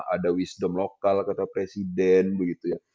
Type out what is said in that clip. ada wisdom lokal kata presiden begitu ya